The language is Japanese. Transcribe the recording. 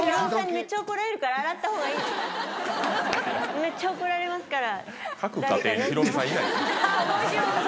めっちゃ怒られますから。